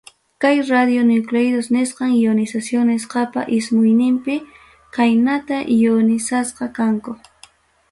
Kay radionucleidos nisqam ionización nisqapa ismuyninpi kaynata ionizasqa kanku.